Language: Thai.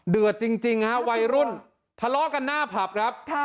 เดือดจริงฮะวัยรุ่นทะเลาะกันหน้าผับครับ